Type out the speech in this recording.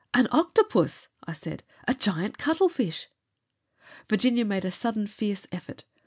"An octopus!" I said. "A giant cuttlefish!" Virginia made a sudden fierce effort.